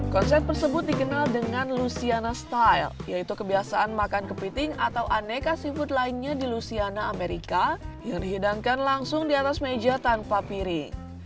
konsep tersebut dikenal dengan luciana style yaitu kebiasaan makan kepiting atau aneka seafood lainnya di luciana amerika yang dihidangkan langsung di atas meja tanpa piring